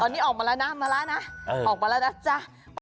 นี่ออกมาแล้วนะมาแล้วนะออกมาแล้วนะจ๊ะ